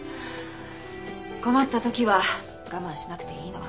困った時は我慢しなくていいの。